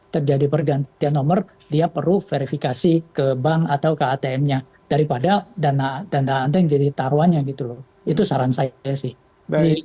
terjadi pergantian nomor dia perlu verifikasi ke bank atau ke atm nya daripada dana dana anda yang jadi taruhannya gitu loh itu saran saya sih